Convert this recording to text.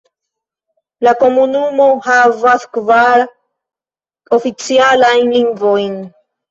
La komunumo havas kvar oficialajn lingvojn.